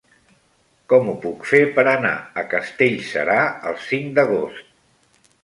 Com ho puc fer per anar a Castellserà el cinc d'agost?